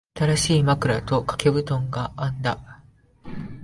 新しい枕と掛け布団があんだ。